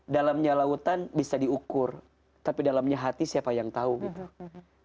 dalamnya lautan bisa diukur tapi dalamnya hati siapa yang tahu gitu